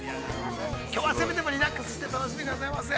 きょうはせめてリラックスして楽しんでくださいませ。